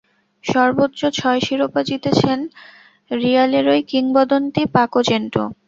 সর্বোচ্চ ছয় শিরোপা জিতেছেন রিয়ালেরই কিংবদন্তি পাকো জেন্টো।